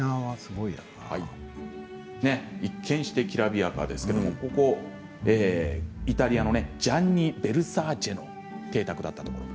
一見してきらびやかですけど、ここはイタリアのジャンニ・ヴェルサーチェの邸宅だったところ。